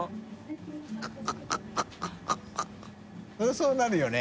そうなるよね。